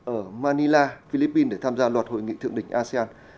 ở manila philippines để tham gia loạt hội nghị thượng đỉnh asean